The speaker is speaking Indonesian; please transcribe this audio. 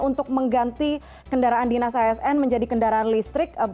untuk mengganti kendaraan dinas asn menjadi kendaraan listrik